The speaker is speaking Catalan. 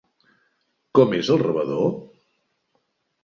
Com és el rebedor?